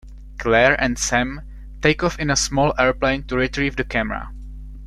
Claire and Sam take off in a small airplane to retrieve the camera.